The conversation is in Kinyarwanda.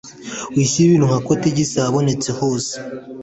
wishyira ibintu nka kotegisi ahabonetse hose